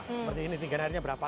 seperti ini ketinggian airnya berapa